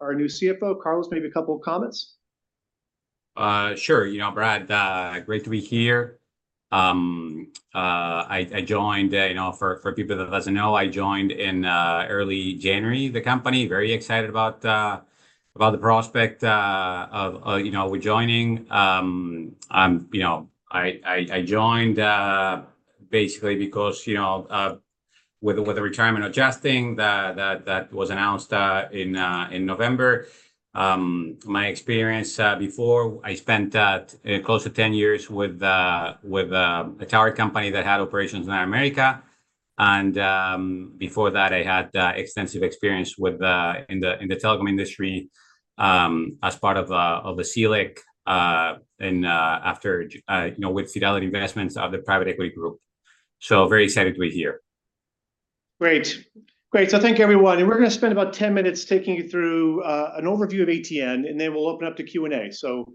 Our new CFO, Carlos, maybe a couple of comments? Sure, you know, Brad, great to be here. I joined, you know, for people that doesn't know, I joined in early January the company, very excited about the prospect of, you know, with joining. You know, I joined basically because, you know, with the retirement of Justin that was announced in November. My experience before, I spent close to 10 years with a tower company that had operations in America. And before that, I had extensive experience in the telecom industry as part of the CLEC and after you know with Fidelity Investments of the private equity group. So very excited to be here. Great. Great. So thank you, everyone. And we're going to spend about 10 minutes taking you through an overview of ATN, and then we'll open up to Q&A. So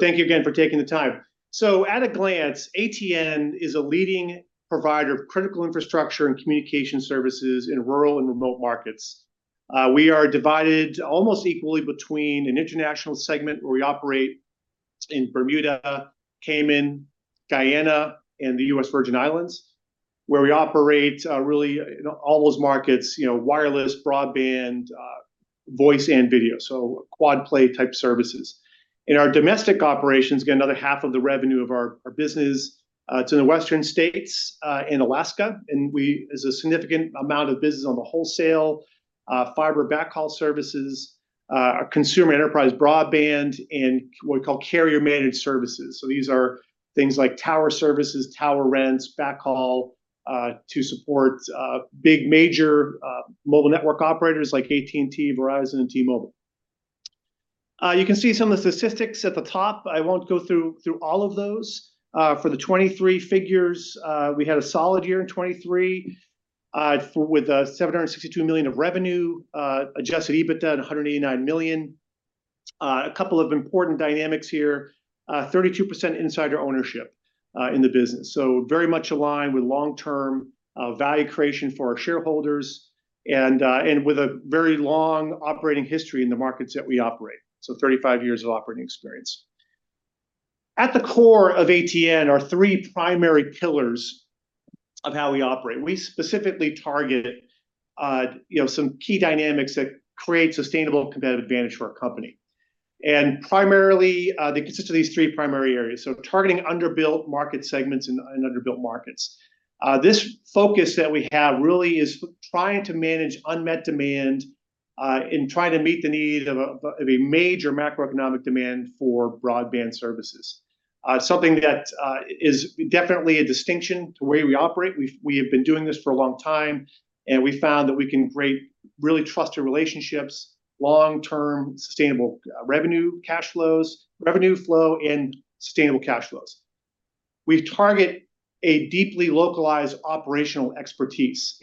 thank you again for taking the time. So at a glance, ATN is a leading provider of critical infrastructure and communication services in rural and remote markets. We are divided almost equally between an international segment where we operate in Bermuda, Cayman, Guyana, and the US Virgin Islands, where we operate, really, you know, all those markets, you know, wireless, broadband, voice and video, so Quad-Play type services. In our domestic operations, again, another half of the revenue of our business, it's in the Western States, in Alaska, and there's a significant amount of business on the wholesale, fiber backhaul services, consumer enterprise broadband, and what we call carrier-managed services. So these are things like tower services, tower rents, backhaul, to support big major mobile network operators like AT&T, Verizon, and T-Mobile. You can see some of the statistics at the top. I won't go through all of those. For the 2023 figures, we had a solid year in 2023, with $762 million of revenue, adjusted EBITDA at $189 million. A couple of important dynamics here, 32% insider ownership in the business, so very much aligned with long-term value creation for our shareholders and with a very long operating history in the markets that we operate, so 35 years of operating experience. At the core of ATN are three primary pillars of how we operate. We specifically target, you know, some key dynamics that create sustainable competitive advantage for our company. And primarily, they consist of these three primary areas, so targeting underbuilt market segments and underbuilt markets. This focus that we have really is trying to manage unmet demand, and trying to meet the need of a major macroeconomic demand for broadband services. Something that is definitely a distinction to where we operate. We have been doing this for a long time, and we found that we can create really trusted relationships, long-term sustainable revenue cash flows, revenue flow, and sustainable cash flows. We target a deeply localized operational expertise.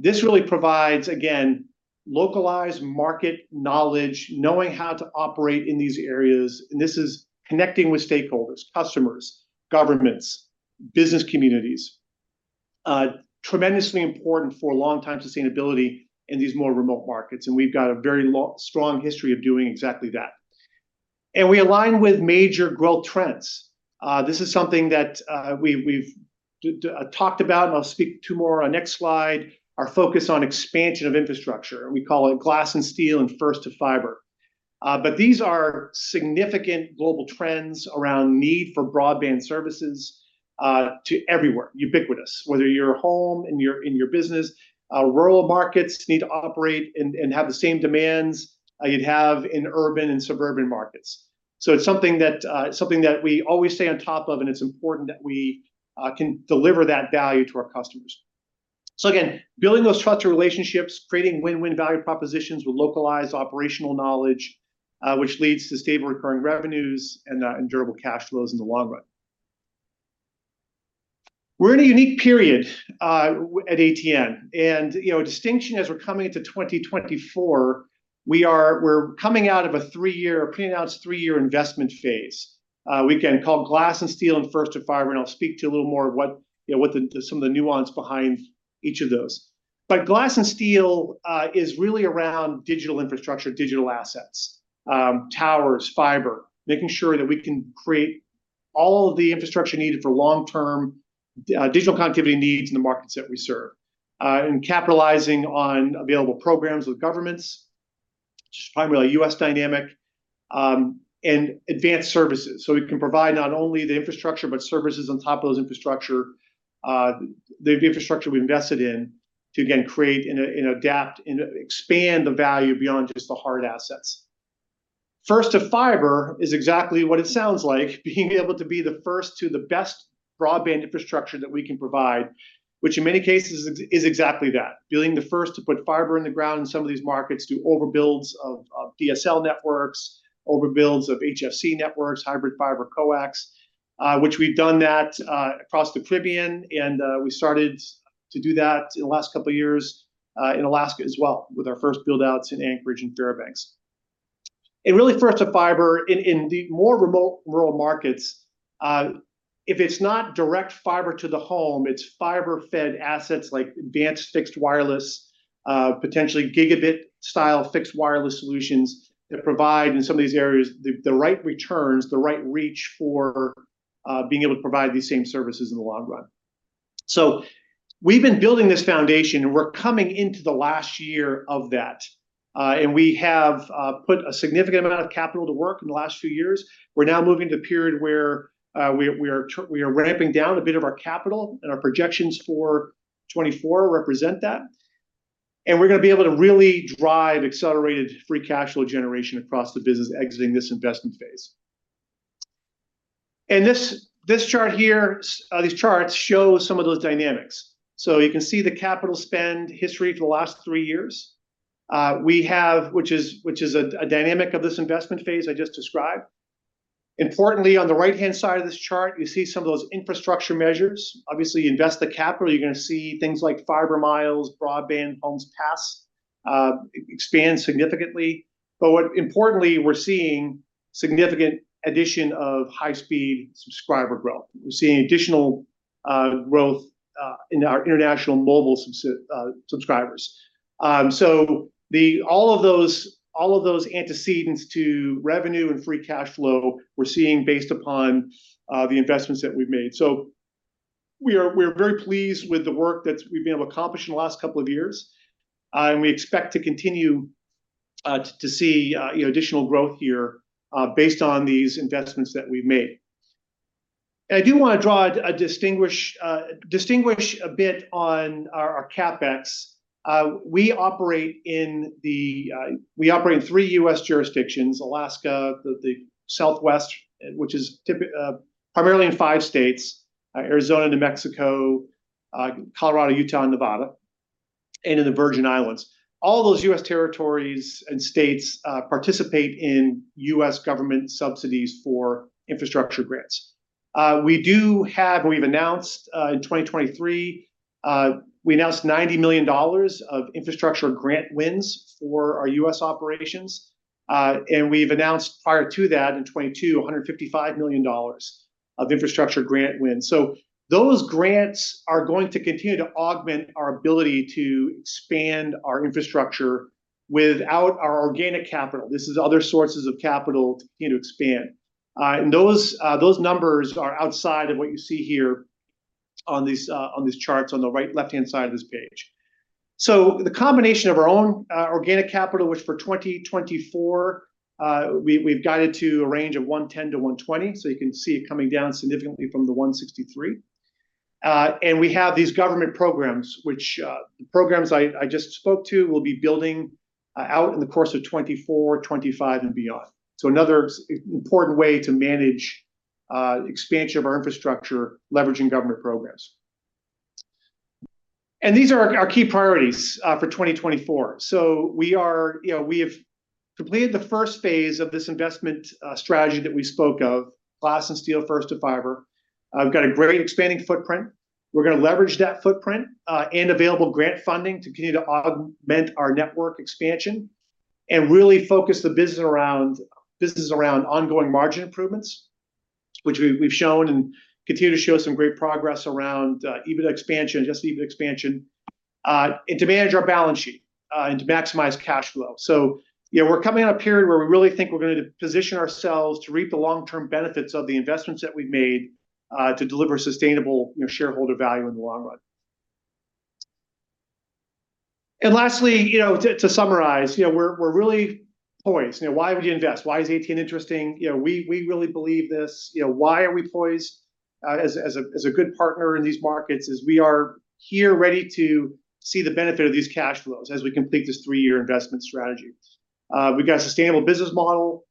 This really provides, again, localized market knowledge, knowing how to operate in these areas, and this is connecting with stakeholders, customers, governments, business communities. Tremendously important for long-term sustainability in these more remote markets, and we've got a very long, strong history of doing exactly that. We align with major growth trends. This is something that we've talked about, and I'll speak to more on the next slide, our focus on expansion of infrastructure, and we call it Glass and Steel and First to Fiber. But these are significant global trends around the need for broadband services to everywhere, ubiquitous, whether you're at home and you're in your business. Rural markets need to operate and have the same demands you'd have in urban and suburban markets. So it's something that we always stay on top of, and it's important that we can deliver that value to our customers. So again, building those trusted relationships, creating win-win value propositions with localized operational knowledge, which leads to stable recurring revenues and durable cash flows in the long run. We're in a unique period, at ATN, and, you know, a distinction as we're coming into 2024, we're coming out of a three-year, a pre-announced three-year investment phase. We can call Glass and Steel and First to Fiber, and I'll speak to a little more of what, you know, what the some of the nuance behind each of those. But Glass and Steel is really around digital infrastructure, digital assets, towers, fiber, making sure that we can create all of the infrastructure needed for long-term, digital connectivity needs in the markets that we serve, and capitalizing on available programs with governments, which is primarily a U.S. dynamic, and advanced services. So we can provide not only the infrastructure but services on top of those infrastructure, the infrastructure we invested in to, again, create and adapt and expand the value beyond just the hard assets. First to Fiber is exactly what it sounds like, being able to be the first to the best broadband infrastructure that we can provide, which in many cases is exactly that, being the first to put fiber in the ground in some of these markets, do overbuilds of DSL networks, overbuilds of HFC networks, hybrid fiber coaxes, which we've done that, across the Caribbean, and we started to do that in the last couple of years, in Alaska as well with our first buildouts in Anchorage and Fairbanks. And really, First to Fiber in the more remote rural markets, if it's not direct fiber to the home, it's fiber-fed assets like advanced fixed wireless, potentially gigabit-style fixed wireless solutions that provide in some of these areas the right returns, the right reach for being able to provide these same services in the long run. So we've been building this foundation, and we're coming into the last year of that, and we have put a significant amount of capital to work in the last few years. We're now moving to a period where we are ramping down a bit of our capital, and our projections for 2024 represent that. We're going to be able to really drive accelerated free cash flow generation across the business exiting this investment phase. This chart here, these charts show some of those dynamics. So you can see the capital spend history for the last three years, which is a dynamic of this investment phase I just described. Importantly, on the right-hand side of this chart, you see some of those infrastructure measures. Obviously, you invest the capital, you're going to see things like fiber miles, broadband homes passed, expand significantly. But what importantly, we're seeing significant addition of high-speed subscriber growth. We're seeing additional growth in our international mobile subscribers. So all of those antecedents to revenue and free cash flow, we're seeing based upon the investments that we've made. So we are very pleased with the work that we've been able to accomplish in the last couple of years. And we expect to continue to see, you know, additional growth here, based on these investments that we've made. And I do want to distinguish a bit on our CapEx. We operate in three U.S. jurisdictions, Alaska, the Southwest, which is typically primarily in five states, Arizona, New Mexico, Colorado, Utah, and Nevada, and in the Virgin Islands. All of those U.S. territories and states participate in U.S. government subsidies for infrastructure grants. We do have, and we've announced, in 2023, we announced $90 million of infrastructure grant wins for our U.S. operations. We've announced prior to that, in 2022, $155 million of infrastructure grant wins. So those grants are going to continue to augment our ability to expand our infrastructure without our organic capital. This is other sources of capital to continue to expand. And those, those numbers are outside of what you see here on these, on these charts on the right left-hand side of this page. So the combination of our own, organic capital, which for 2024, we've guided to a range of $110-$120, so you can see it coming down significantly from the $163. And we have these government programs, which, the programs I just spoke to will be building out in the course of 2024, 2025, and beyond. So another important way to manage expansion of our infrastructure, leveraging government programs. And these are our key priorities for 2024. So we are, you know, we have completed the first phase of this investment strategy that we spoke of, Glass and Steel, First to Fiber. We've got a great expanding footprint. We're going to leverage that footprint and available grant funding to continue to augment our network expansion and really focus the business around business around ongoing margin improvements, which we've shown and continue to show some great progress around EBITDA expansion, adjsted EBITDA expansion, and to manage our balance sheet and to maximize cash flow. So, you know, we're coming on a period where we really think we're going to position ourselves to reap the long-term benefits of the investments that we've made, to deliver sustainable, you know, shareholder value in the long run. And lastly, you know, to summarize, you know, we're really poised. You know, why would you invest? Why is ATN interesting? You know, we really believe this. You know, why are we poised as a good partner in these markets is we are here ready to see the benefit of these cash flows as we complete this three-year investment strategy. We've got a sustainable business model.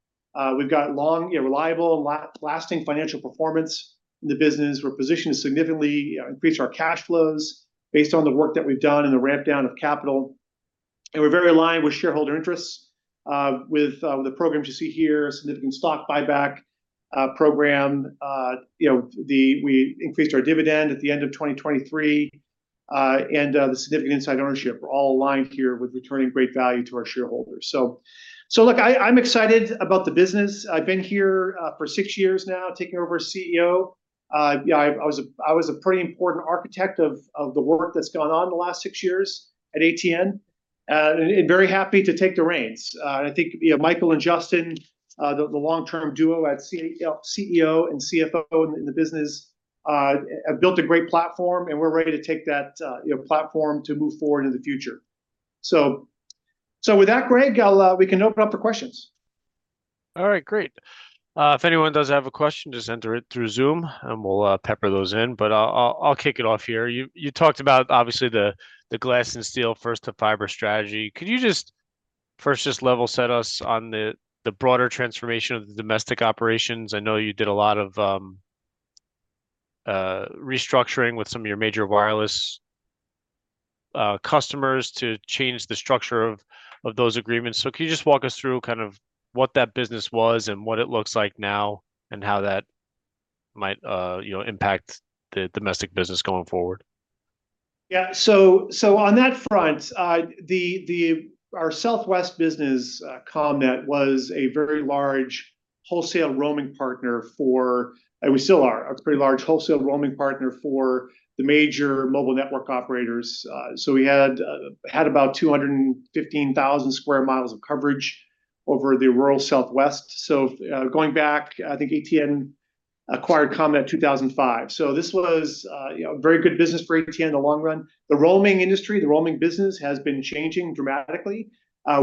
We've got long, you know, reliable and lasting financial performance in the business. We're positioned to significantly increase our cash flows based on the work that we've done and the rampdown of capital. And we're very aligned with shareholder interests, with, with the programs you see here, significant stock buyback, program, you know, the we increased our dividend at the end of 2023, and, the significant inside ownership. We're all aligned here with returning great value to our shareholders. So, look, I'm excited about the business. I've been here for six years now, taking over as CEO. Yeah, I was a pretty important architect of the work that's gone on the last six years at ATN. And very happy to take the reins. And I think, you know, Michael and Justin, the long-term duo at CEO and CFO in the business, have built a great platform, and we're ready to take that, you know, platform to move forward in the future. So, with that, Greg, we can open up for questions. All right, great. If anyone does have a question, just enter it through Zoom, and we'll pepper those in. But I'll kick it off here. You talked about, obviously, the Glass and Steel, First to Fiber strategy. Could you just first level set us on the broader transformation of the domestic operations? I know you did a lot of restructuring with some of your major wireless customers to change the structure of those agreements. So can you just walk us through kind of what that business was and what it looks like now and how that might, you know, impact the domestic business going forward? Yeah, so on that front, our Southwest business, Commnet, was a very large wholesale roaming partner for, and we still are, a pretty large wholesale roaming partner for the major mobile network operators. So we had about 215,000 sq mi of coverage over the rural Southwest. So, going back, I think ATN acquired Commnet in 2005. So this was, you know, a very good business for ATN in the long run. The roaming industry, the roaming business has been changing dramatically.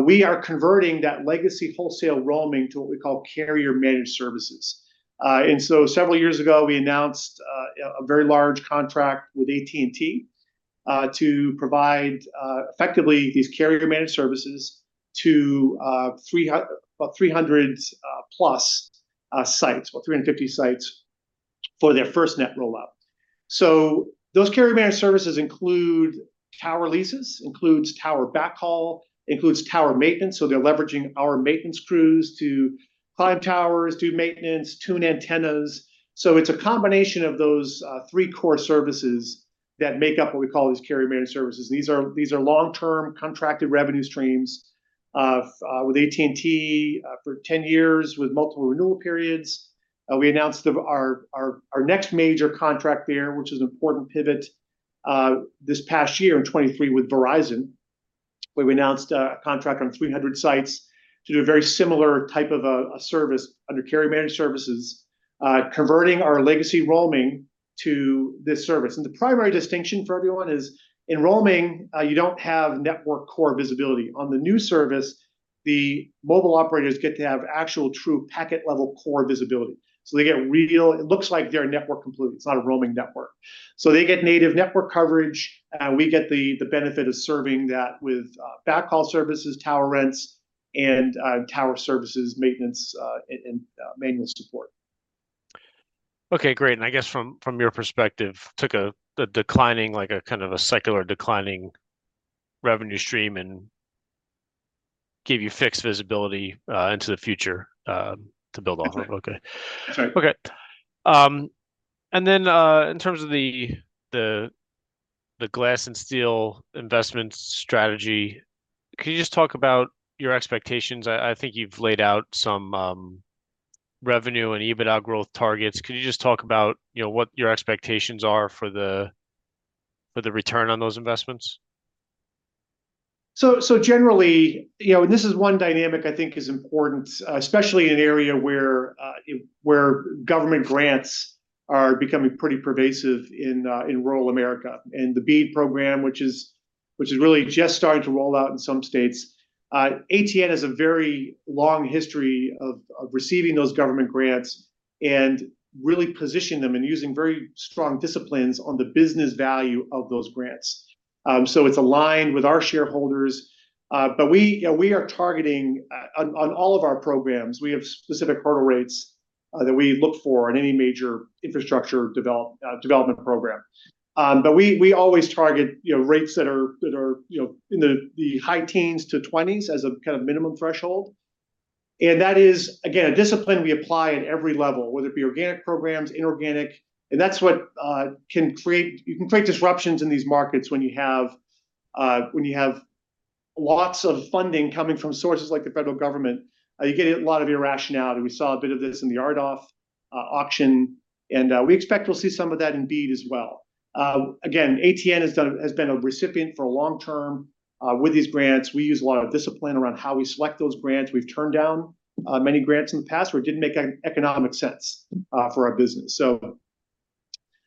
We are converting that legacy wholesale roaming to what we call carrier-managed services. Several years ago, we announced a very large contract with AT&T to provide effectively these carrier-managed services to about 300+ sites, about 350 sites, for their FirstNet rollout. Those carrier-managed services include tower leases, includes tower backhaul, includes tower maintenance. They're leveraging our maintenance crews to climb towers, do maintenance, tune antennas. It's a combination of those three core services that make up what we call these carrier-managed services. And these are long-term contracted revenue streams with AT&T for 10 years with multiple renewal periods. We announced our next major contract there, which was an important pivot, this past year in 2023 with Verizon. Where we announced a contract on 300 sites to do a very similar type of a service under carrier-managed services, converting our legacy roaming to this service. And the primary distinction for everyone is in roaming, you don't have network core visibility. On the new service, the mobile operators get to have actual true packet-level core visibility. So they get real, it looks like they're a network completely. It's not a roaming network. So they get native network coverage. And we get the benefit of serving that with backhaul services, tower rents, and tower services, maintenance, and manual support. Okay, great. And I guess from your perspective. Took a declining, like a kind of a secular declining revenue stream and gave you fixed visibility into the future to build off of. Okay. That's right. Okay. And then in terms of the Glass and Steel investment strategy, can you just talk about your expectations? I think you've laid out some revenue and EBITDA growth targets. Can you just talk about, you know, what your expectations are for the return on those investments? So generally, you know, and this is one dynamic I think is important, especially in an area where government grants are becoming pretty pervasive in rural America. And the BEAD Program, which is really just starting to roll out in some states, ATN has a very long history of receiving those government grants and really positioning them and using very strong disciplines on the business value of those grants. So it's aligned with our shareholders. But we, you know, we are targeting on all of our programs, we have specific hurdle rates that we look for in any major infrastructure development program. But we always target, you know, rates that are, you know, in the high teens to 20s as a kind of minimum threshold. And that is, again, a discipline we apply at every level, whether it be organic programs, inorganic. And that's what can create disruptions in these markets when you have lots of funding coming from sources like the federal government. You get a lot of irrationality. We saw a bit of this in the RDOF auction. And we expect we'll see some of that in BEAD as well. Again, ATN has been a recipient for a long time with these grants. We use a lot of discipline around how we select those grants. We've turned down many grants in the past where it didn't make economic sense for our business. So,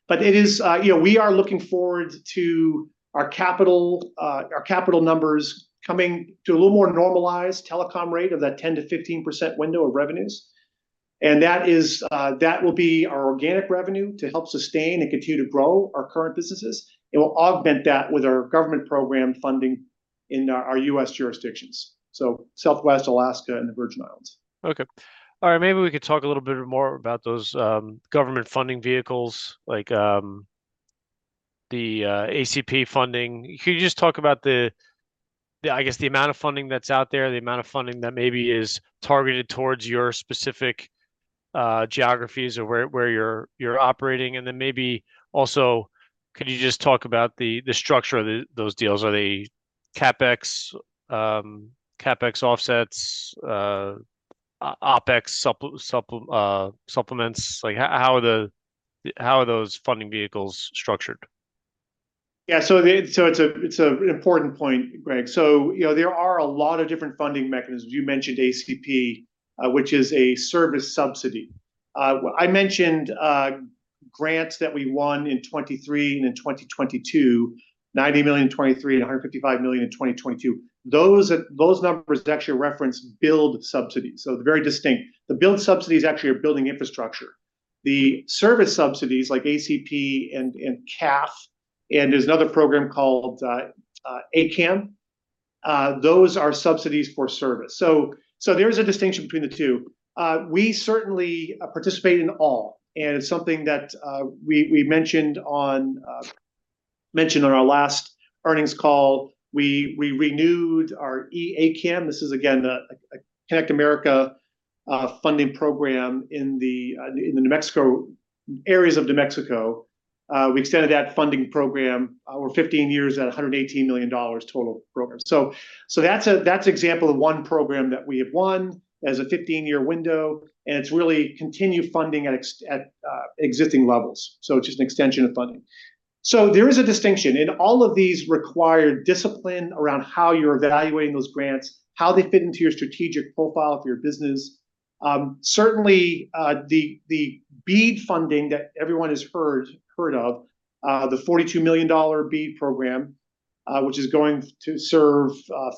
but it is, you know, we are looking forward to our capital, our capital numbers coming to a little more normalized telecom rate of that 10%-15% window of revenues. And that is, that will be our organic revenue to help sustain and continue to grow our current businesses. It will augment that with our government program funding in our US jurisdictions. So Southwest, Alaska, and the Virgin Islands. Okay. All right. Maybe we could talk a little bit more about those government funding vehicles like the ACP funding. Could you just talk about the, I guess the amount of funding that's out there, the amount of funding that maybe is targeted towards your specific geographies or where you're operating? And then maybe also, could you just talk about the structure of those deals? Are they CapEx, CapEx offsets, OpEx supplements? Like how are those funding vehicles structured? Yeah, so it's an important point, Greg. So, you know, there are a lot of different funding mechanisms. You mentioned ACP, which is a service subsidy. I mentioned grants that we won in 2023 and in 2022, $90 million in 2023 and $155 million in 2022. Those numbers actually reference build subsidies. So they're very distinct. The build subsidies actually are building infrastructure. The service subsidies like ACP and CAF, and there's another program called A-CAM, those are subsidies for service. So there's a distinction between the two. We certainly participate in all. And it's something that we mentioned on our last earnings call. We renewed our EACAM. This is, again, a Connect America funding program in the New Mexico areas of New Mexico. We extended that funding program over 15 years at $118 million total program. So that's an example of one program that we have won as a 15-year window. And it's really continued funding at existing levels. So it's just an extension of funding. So there is a distinction in all of these required discipline around how you're evaluating those grants, how they fit into your strategic profile for your business. Certainly, the BEAD funding that everyone has heard of, the $42 million BEAD program, which is going to serve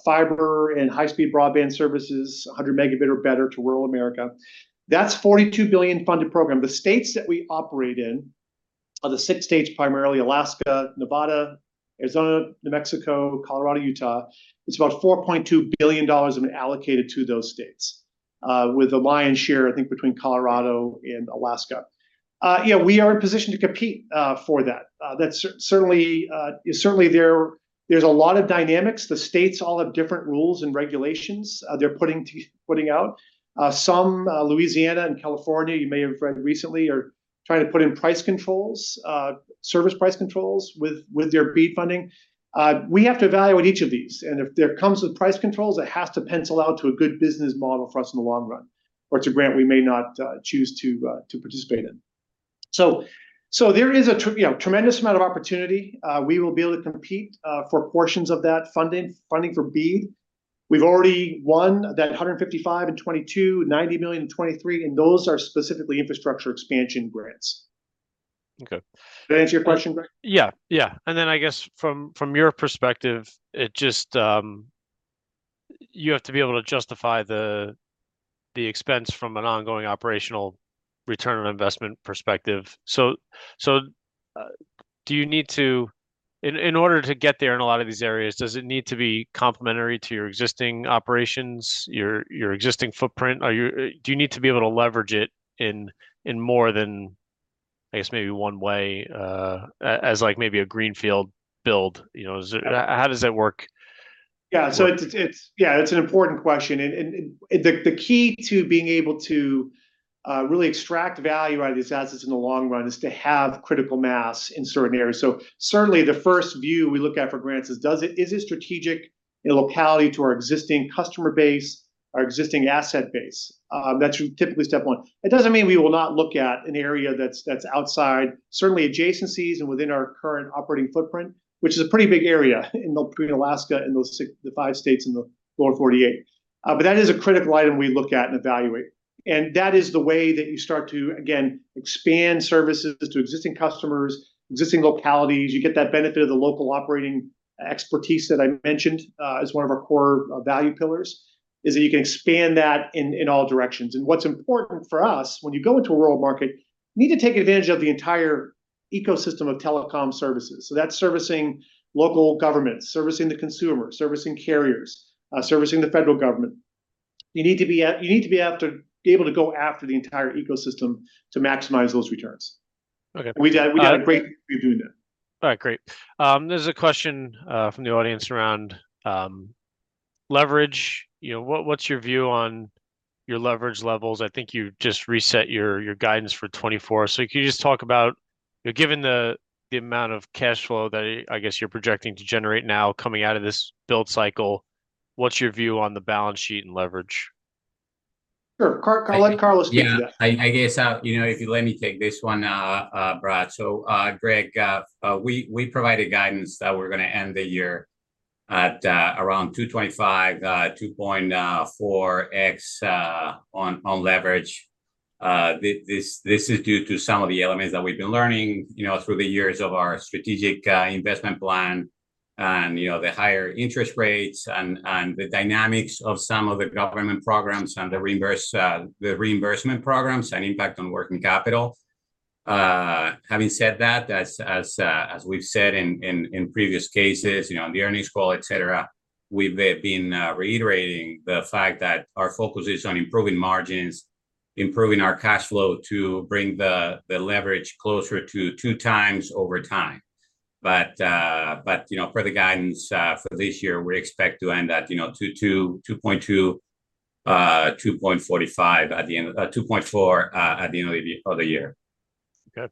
fiber and high-speed broadband services, 100 megabit or better to rural America. That's a $42 billion funded program. The states that we operate in are the six states, primarily Alaska, Nevada, Arizona, New Mexico, Colorado, Utah. It's about $4.2 billion that have been allocated to those states, with a lion's share, I think, between Colorado and Alaska. Yeah, we are in position to compete for that. That's certainly. Certainly, there is a lot of dynamics. The states all have different rules and regulations they're putting out. Some, Louisiana and California, you may have read recently, are trying to put in price controls, service price controls with their BEAD funding. We have to evaluate each of these. And if there comes with price controls, it has to pencil out to a good business model for us in the long run. Or it's a grant we may not choose to participate in. So there is a, you know, tremendous amount of opportunity. We will be able to compete for portions of that funding for BEAD. We've already won that $155 million in 2022, $90 million in 2023. And those are specifically infrastructure expansion grants. Okay. Did that answer your question, Greg? Yeah, yeah. And then I guess from your perspective, it just you have to be able to justify the expense from an ongoing operational return on investment perspective. So do you need to in order to get there in a lot of these areas, does it need to be complementary to your existing operations, your existing footprint? Do you need to be able to leverage it in more than, I guess, maybe one way, as like maybe a greenfield build? You know, how does that work? Yeah, so it's an important question. And the key to being able to really extract value out of these assets in the long run is to have critical mass in certain areas. So certainly, the first view we look at for grants is, is it strategic in locality to our existing customer base, our existing asset base? That's typically step one. It doesn't mean we will not look at an area that's outside, certainly adjacencies and within our current operating footprint, which is a pretty big area in between Alaska and the five states in the lower 48. But that is a critical item we look at and evaluate. And that is the way that you start to, again, expand services to existing customers, existing localities. You get that benefit of the local operating expertise that I mentioned as one of our core value pillars, is that you can expand that in all directions. And what's important for us, when you go into a rural market, you need to take advantage of the entire ecosystem of telecom services. So that's servicing local governments, servicing the consumer, servicing carriers, servicing the federal government. You need to be able to go after the entire ecosystem to maximize those returns. Okay. We've done a great job of doing that. All right, great. There's a question from the audience around leverage. You know, what's your view on your leverage levels? I think you just reset your guidance for 2024. So can you just talk about, you know, given the amount of cash flow that I guess you're projecting to generate now coming out of this build cycle, what's your view on the balance sheet and leverage? Sure. Carl, let Carlos speak to that. Yeah, I guess, you know, if you let me take this one, Brad. So, Greg, we provided guidance that we're going to end the year at around $225, 2.4x on leverage. This is due to some of the elements that we've been learning, you know, through the years of our strategic investment plan and, you know, the higher interest rates and the dynamics of some of the government programs and the reimbursement programs and impact on working capital. Having said that, as we've said in previous cases, you know, on the earnings call, etc., we've been reiterating the fact that our focus is on improving margins, improving our cash flow to bring the leverage closer to 2x over time. But, you know, per the guidance, for this year, we expect to end at, you know, 2.2x-2.45x at the end of 2.4x at the end of the year. Okay.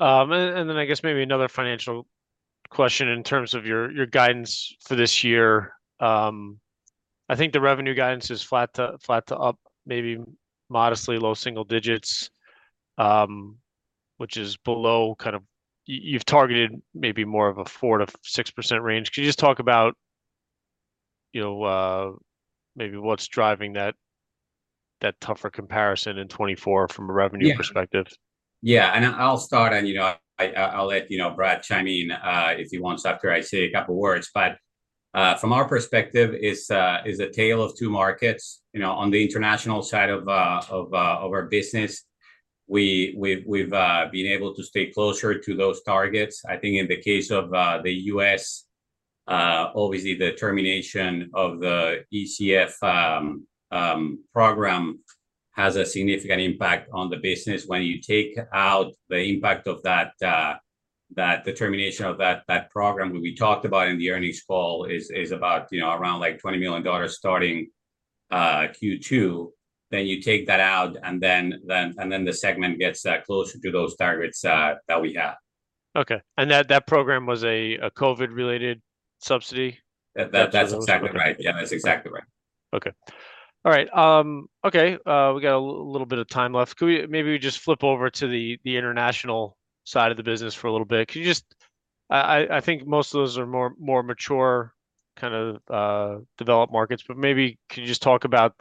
Then I guess maybe another financial question in terms of your guidance for this year. I think the revenue guidance is flat to up, maybe modestly low single digits, which is below kind of you've targeted maybe more of a 4%-6% range. Can you just talk about, you know, maybe what's driving that tougher comparison in 2024 from a revenue perspective? Yeah, and I'll start and, you know, I'll let you know, Brad, chime in if he wants after I say a couple of words. But from our perspective, it's a tale of two markets. You know, on the international side of our business, we've been able to stay closer to those targets. I think in the case of the US, obviously, the termination of the ECF program has a significant impact on the business. When you take out the impact of that determination of that program, what we talked about in the earnings call is about, you know, around like $20 million starting Q2, then you take that out and then the segment gets closer to those targets that we have. Okay. And that program was a COVID-related subsidy? That's exactly right. Yeah, that's exactly right. Okay. All right. Okay. We got a little bit of time left. Could we maybe just flip over to the international side of the business for a little bit? Can you just, I think most of those are more mature kind of developed markets. But maybe can you just talk about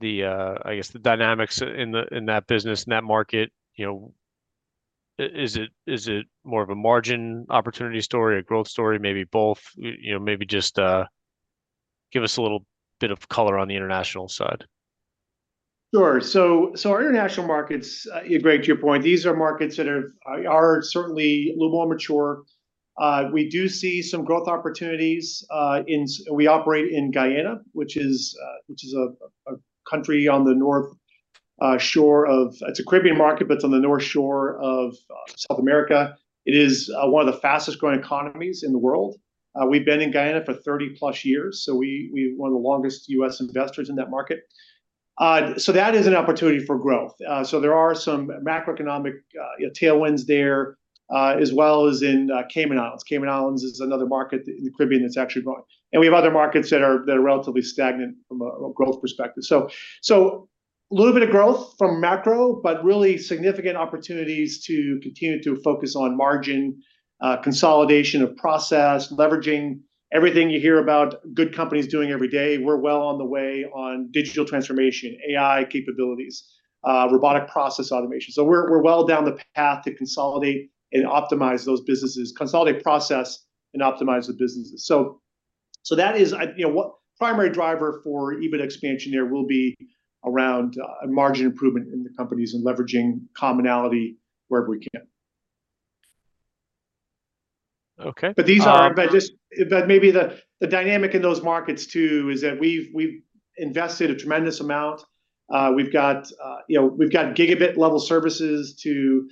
the, I guess, the dynamics in that business, in that market? You know, is it more of a margin opportunity story, a growth story, maybe both? You know, maybe just give us a little bit of color on the international side. Sure. So our international markets, Greg, to your point, these are markets that are certainly a little more mature. We do see some growth opportunities. We operate in Guyana, which is a country on the north shore of. It's a Caribbean market, but it's on the north shore of South America. It is one of the fastest-growing economies in the world. We've been in Guyana for 30+ years. So we're one of the longest U.S. investors in that market. So that is an opportunity for growth. So there are some macroeconomic tailwinds there as well as in Cayman Islands. Cayman Islands is another market in the Caribbean that's actually growing. And we have other markets that are relatively stagnant from a growth perspective. So a little bit of growth from macro, but really significant opportunities to continue to focus on margin, consolidation of process, leveraging everything you hear about good companies doing every day. We're well on the way on digital transformation, AI capabilities, robotic process automation. So we're well down the path to consolidate and optimize those businesses, consolidate process and optimize the businesses. So that is, you know, what primary driver for even expansion there will be around margin improvement in the companies and leveraging commonality wherever we can. Okay. But maybe the dynamic in those markets too is that we've invested a tremendous amount. We've got, you know, we've got gigabit-level services to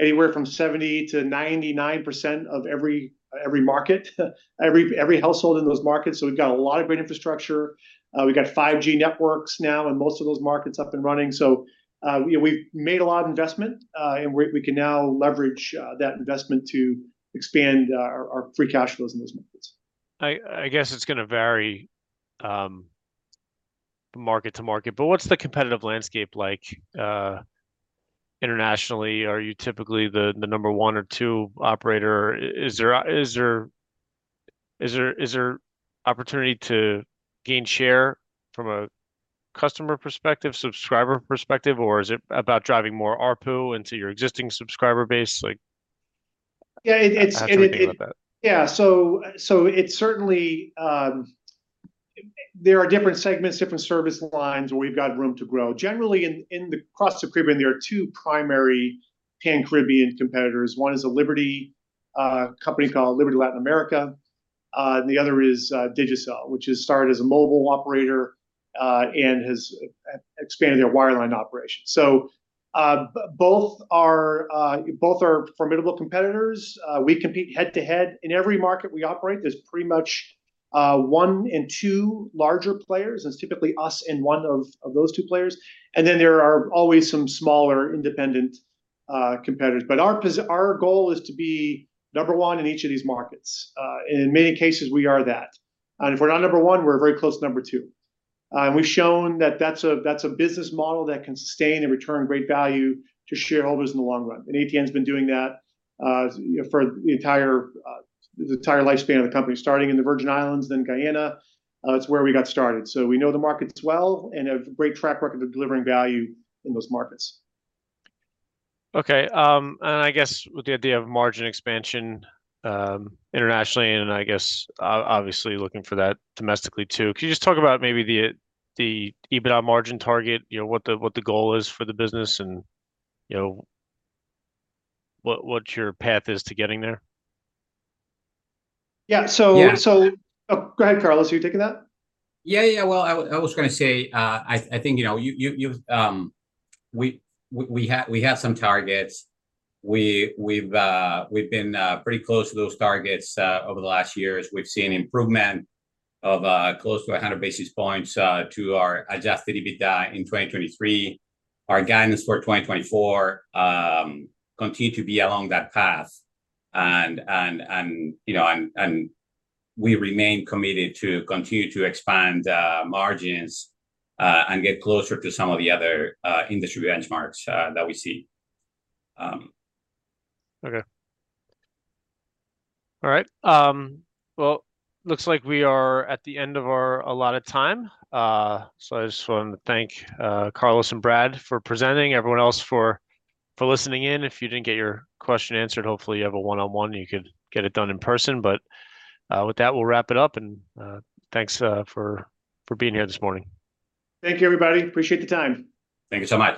anywhere from 70%-99% of every market, every household in those markets. So we've got a lot of great infrastructure. We've got 5G networks now in most of those markets up and running. So, you know, we've made a lot of investment, and we can now leverage that investment to expand our free cash flows in those markets. I guess it's going to vary market to market. But what's the competitive landscape like internationally? Are you typically the number one or two operator? Is there opportunity to gain share from a customer perspective, subscriber perspective, or is it about driving more ARPU into your existing subscriber base? Like, how do you think about that? Yeah, so it's certainly there are different segments, different service lines where we've got room to grow. Generally, across the Caribbean, there are two primary Pan-Caribbean competitors. One is a Liberty company called Liberty Latin America. And the other is Digicel, which has started as a mobile operator and has expanded their wireline operation. So both are formidable competitors. We compete head-to-head in every market we operate. There's pretty much one and two larger players. And it's typically us and one of those two players. And then there are always some smaller independent competitors. But our goal is to be number one in each of these markets. And in many cases, we are that. And if we're not number one, we're a very close number two. And we've shown that that's a business model that can sustain and return great value to shareholders in the long run. And ATN has been doing that, you know, for the entire lifespan of the company, starting in the Virgin Islands, then Guyana. It's where we got started. So we know the markets well and have a great track record of delivering value in those markets. Okay. I guess with the idea of margin expansion internationally and I guess obviously looking for that domestically too, can you just talk about maybe the EBITDA margin target, you know, what the goal is for the business and, you know, what your path is to getting there? Yeah, so go ahead, Carlos. Are you taking that? Yeah, yeah, yeah. Well, I was going to say, I think, you know, you we had some targets. We've been pretty close to those targets over the last years. We've seen improvement of close to 100 basis points to our adjusted EBITDA in 2023. Our guidance for 2024 continued to be along that path. And, you know, we remain committed to continue to expand margins and get closer to some of the other industry benchmarks that we see. Okay. All right. Well, it looks like we are at the end of our allotted time. So I just wanted to thank Carlos and Brad for presenting. Everyone else for listening in. If you didn't get your question answered, hopefully you have a one-on-one. You could get it done in person. But with that, we'll wrap it up. And thanks for being here this morning. Thank you, everybody. Appreciate the time. Thank you so much.